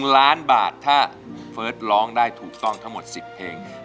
๑ล้านบาทถ้าเฟิร์สร้องได้ถูกต้องทั้งหมด๑๐เพลง